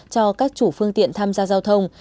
cho các chủ phương tiện tham gia giao thông